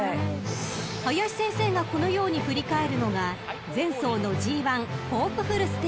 ［林先生がこのように振り返るのが前走のＧⅠホープフルステークス］